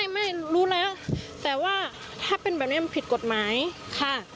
ไม่รู้แล้วแต่ว่าถ้าเป็นแบบนี้มันผิดกฎหมายค่ะ